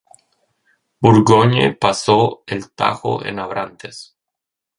Burgoyne pasó el Tajo en Abrantes.